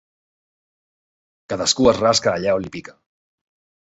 Cadascú es rasca allà on li pica.